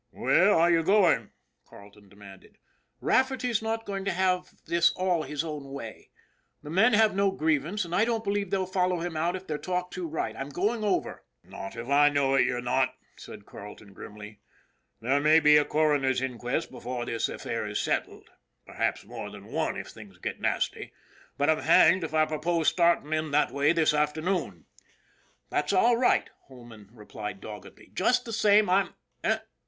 "Where are you going?" Carleton demanded. " Rafferty's not going to have this all his own way. The men have no grievance, and I don't believe they'll follow him out if they're talked to right. I'm going over." " Not if I know it, you're not," said Carleton grimly. " There may be a coroner's inquest before this affair is settled, perhaps more than one if things get nasty, but I'm hanged if I propose starting in that way this afternoon." "That's all right," Holman replied doggedly. RAFFERTY'S RULE 15 "Just the same, I'm Eh?